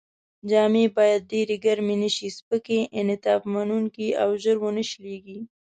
جامې باید ډېرې ګرمې نه شي، سپکې، انعطاف منوونکې او ژر و نه شلېږي.